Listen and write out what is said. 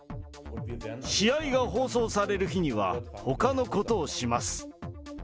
試合が放送される日には、ほかのことをします。